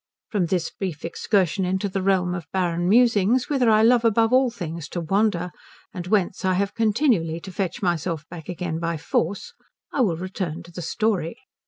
From this brief excursion into the realm of barren musings, whither I love above all things to wander and whence I have continually to fetch myself back again by force, I will return to the story.